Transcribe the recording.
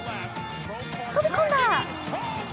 飛び込んだ！